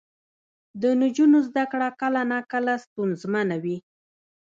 د نجونو زده کړه کله ناکله ستونزمنه وي.